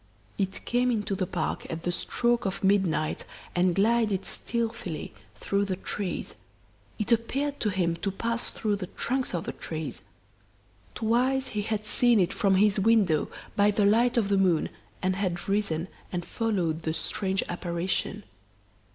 It came into the park at the stroke of midnight and glided stealthily through the trees; it appeared to him to pass through the trunks of the trees. Twice he had seen it from his window, by the light of the moon and had risen and followed the strange apparition.